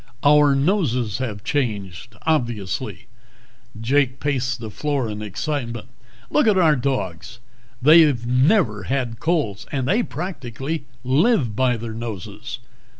"Our noses have changed, obviously." Jake paced the floor in excitement. "Look at our dogs! They've never had colds and they practically live by their noses.